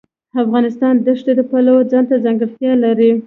افغانستان د ښتې د پلوه ځانته ځانګړتیا لري.